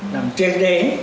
làm trên đề